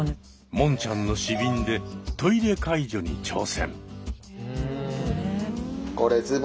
もんちゃんの尿瓶でトイレ介助に挑戦。